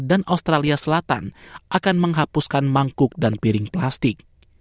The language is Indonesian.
dan australia selatan akan menghapuskan mangkuk dan piring plastik